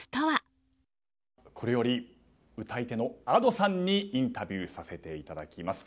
これより歌い手のＡｄｏさんにインタビューさせていただきます。